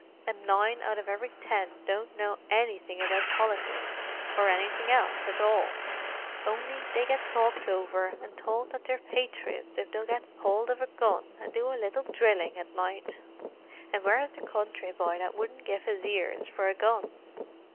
"And nine out of every ten don't know annything about politics or annything else at all, only they get talked over, and towld that they're patriots if they'll get howld of a gun and do a little drilling at night—an' where's the country boy that wouldn't give his ears for a gun!